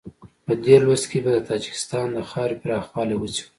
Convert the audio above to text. په دې لوست کې به د تاجکستان د خاورې پراخوالی وڅېړو.